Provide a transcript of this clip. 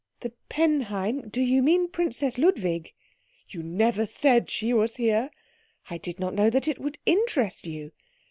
"The Penheim? Do you mean Princess Ludwig?" "You never said she was here " "I did not know that it would interest you."